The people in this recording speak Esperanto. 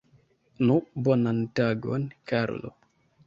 Nu, bonan tagon, Karlo!